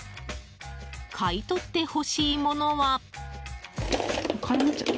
買い取ってほしいものは。